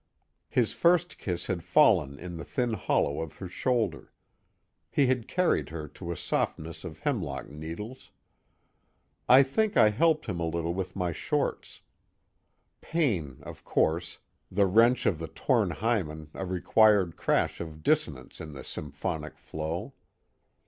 _ His first kiss had fallen in the thin hollow of her shoulder. He had carried her to a softness of hemlock needles. I think I helped him a little with my shorts. Pain of course, the wrench of the torn hymen a required crash of dissonance in the symphonic flow.